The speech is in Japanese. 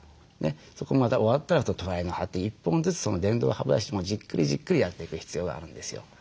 そこまた終わったら隣の歯って１本ずつ電動歯ブラシもじっくりじっくりやっていく必要があるんですよ。